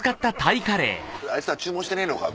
「あいつら注文してねえのか！」